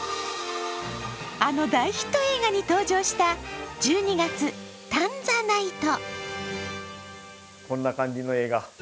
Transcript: あの大ヒット映画に登場した１２月、タンザナイト。